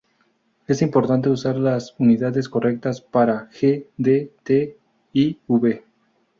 Es importante usar las unidades correctas para "g, d, t" y "v".